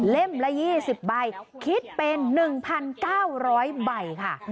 ละ๒๐ใบคิดเป็น๑๙๐๐ใบค่ะ